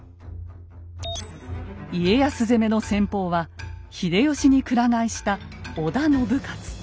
家康攻めの先鋒は秀吉に鞍替えした織田信雄。